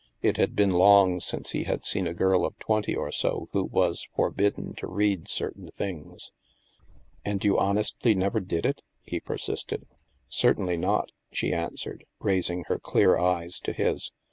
It had been long since he had seen a girl of twenty or so who was forbidden " to read certain things. And you honestly never did it ?" he persisted. Certainly not," she answered, raising her clear eyes to his.